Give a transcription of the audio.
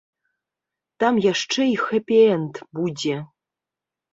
Там яшчэ і хэпі-энд будзе.